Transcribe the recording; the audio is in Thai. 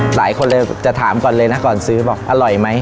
หลายคนเลยจะถามก่อนเลยนะก่อนซื้อบอกอร่อยไหม